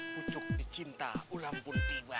bujuk di cinta ulang pun tiba